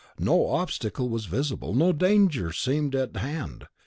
No obstacle was visible, no danger seemed at hand.